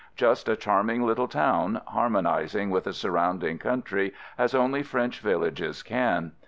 Just a charming little town, harmonizing with the surrounding coun try as only French villages can.